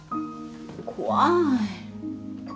怖い。